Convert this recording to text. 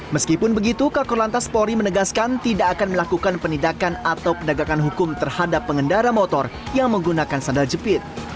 meskipun begitu kakor lantas polri menegaskan tidak akan melakukan penindakan atau pendagangan hukum terhadap pengendara motor yang menggunakan sandal jepit